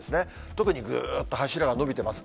特にぐーっと柱が伸びています。